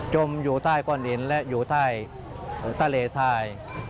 มอยู่ใต้ก้อนหินและอยู่ใต้ทะเลทราย